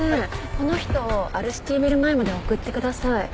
この人をアルシティビル前まで送ってください。